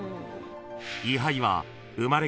［位牌は生まれ